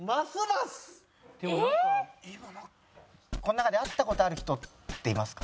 この中で会った事ある人っていますか？